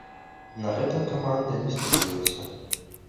На гэтым каманда не спынілася.